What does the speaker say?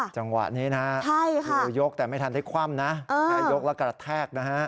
จังหวะนี้นะฮะคือยกแต่ไม่ทันได้คว่ำนะยกแล้วกระแทกนะฮะ